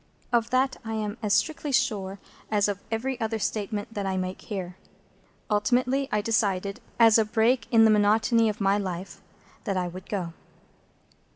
Of that I am as strictly sure as of every other statement that I make here. Ultimately I decided, as a break in the monotony of my life, that I would go.